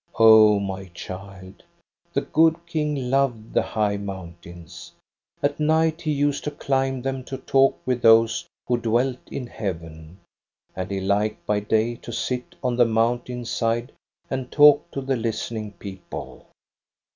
Oh, my child, the good King loved the high mountains. At night he used to climb them to talk with those who dwelt in heaven, and he liked by day to sit on the mountain^side and talk to the listening people.